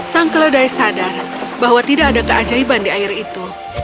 sang keledai sadar bahwa tidak ada keajaiban di air itu